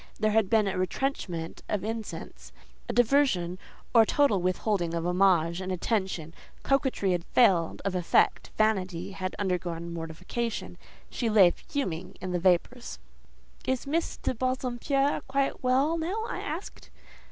There had been a retrenchment of incense, a diversion or a total withholding of homage and attention coquetry had failed of effect, vanity had undergone mortification. She lay fuming in the vapours. "Is Miss de Bassompierre quite well now?" I asked.